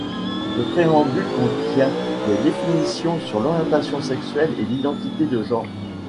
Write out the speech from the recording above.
Le Préambule contient des définitions sur l'orientation sexuelle et l'identité de genre.